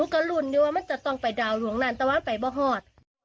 ก็หลุนอยู่ว่ามันจะต้องไปดาวดวงนั้นแต่ว่ามันไปมะฮอด